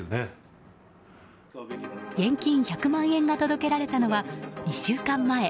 現金１００万円が届けられたのは２週間前